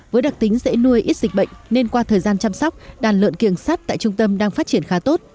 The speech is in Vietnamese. với đặc tính dễ nuôi ít dịch bệnh nên qua thời gian chăm sóc đàn lợn kiêng sắt tại trung tâm đang phát triển khá tốt